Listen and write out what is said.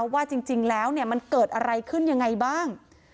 ว่าจริงแล้วมันเกิดอะไรขึ้นยังไงบ้าง